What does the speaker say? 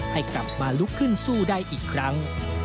ให้กลับมาลุกขึ้นสู้ได้อีกครั้ง